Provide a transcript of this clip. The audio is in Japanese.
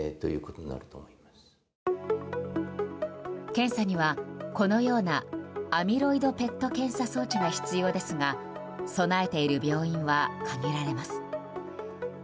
検査には、このようなアミロイドＰＥＴ検査装置が必要ですが備えている病院は限られます。